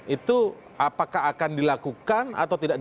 itu apakah akan dilakukan atau tidak